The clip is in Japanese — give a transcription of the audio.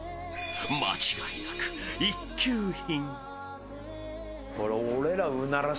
間違いなく一級品。